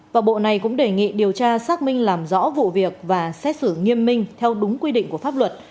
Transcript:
và bộ này cũng đề nghị điều tra xác minh làm rõ vụ việc và xét xử nghiêm minh theo đúng quy định của pháp luật